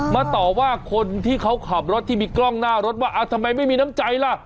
ต่อว่าคนที่เขาขับรถที่มีกล้องหน้ารถว่าทำไมไม่มีน้ำใจล่ะ